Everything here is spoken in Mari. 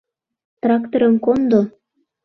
Тракторым кондо!